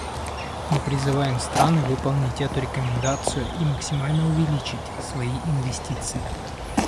Мы призываем страны выполнить эту рекомендацию и максимально увеличить свои инвестиции.